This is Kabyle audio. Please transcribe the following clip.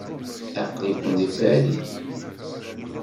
Aql-iken deg Paris?